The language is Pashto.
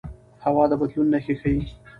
هوا د بدلون نښې ښيي